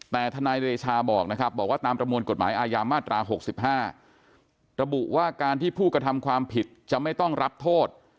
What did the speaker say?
แต่ทนายเดชาบอกนะครับบอกว่าตามประมวลกฎหมายอาญามาตรา๖๕ระบุว่าการที่ผู้กระทำความผิดจะไม่ต้องรับโทษ